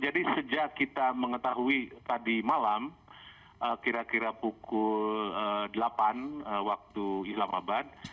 jadi sejak kita mengetahui tadi malam kira kira pukul delapan waktu islamabad